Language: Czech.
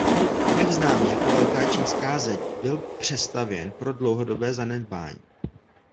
Prvek známý jako Velká čínská zeď byl přestavěn pro dlouhodobé zanedbání.